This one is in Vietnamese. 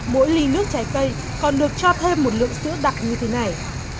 mỗi ly nước trái cây còn được cho thêm một lượng sữa đặc như thế này